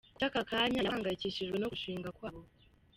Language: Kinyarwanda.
Kuki aka kanya yaba ahangayikishijwe no kurushinga kwa bo?.